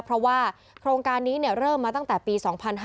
เพราะว่าโครงการนี้เริ่มมาตั้งแต่ปี๒๕๕๙